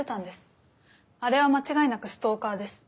あれは間違いなくストーカーです。